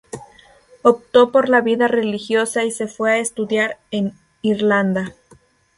Optó por la vida religiosa, y se fue a estudiar en Irlanda.